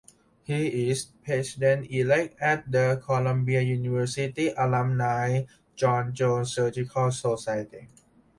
He is president elect at the Columbia University Alumni John Jones Surgical Society.